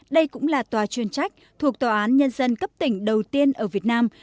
đây cũng là tòa chuyên trách thuộc tòa án nhân dân cấp tỉnh đầu tiên ở việt nam